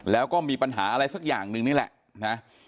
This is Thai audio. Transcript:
แล้วก็มีปัญหาอะไรสักอย่างหนึ่งนี่แหละนะ